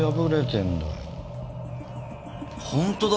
本当だ。